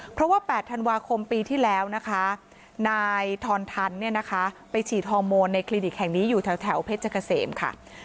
เพราะว่า๘ธันวาคมปีที่แล้วนะคะนายทอนทันเนี่ยนะคะไปฉีดฮอร์โมนในคลินิกแห่งนี้อยู่แถวเพชรเกษมค่ะ